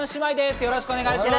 よろしくお願いします。